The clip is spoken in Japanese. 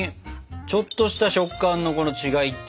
ちょっとした食感のこの違いっていう。